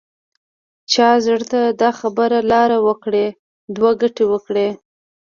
چا زړه ته دا خبره لاره وکړي دوه ګټې وکړي.